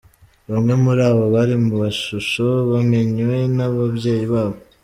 Bamwe muri abo bari mu mashusho bamenywe n'ababyeyi babo.